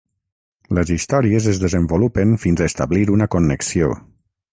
Les històries es desenvolupen fins a establir una connexió.